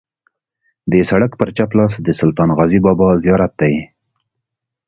د سړک پر چپ لاس د سلطان غازي بابا زیارت دی.